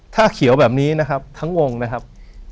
ถ้าเขียวแบบนี้นะครับทั้งวงนะครับ